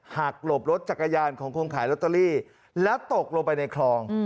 หลบรถจักรยานของคนขายลอตเตอรี่แล้วตกลงไปในคลอง